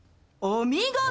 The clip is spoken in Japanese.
お見事！